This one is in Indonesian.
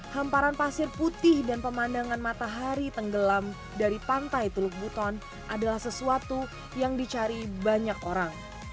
hamparan pasir putih dan pemandangan matahari tenggelam dari pantai teluk buton adalah sesuatu yang dicari banyak orang